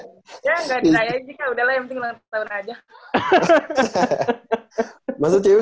ya gak dirayain sih kak udah lah yang penting langsung tawar aja